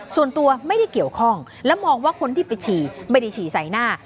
ส่วนตัวไม่ได้เกี่ยวข้องและมองว่าคนที่ไปฉี่ไม่ได้ฉี่ใส่หน้า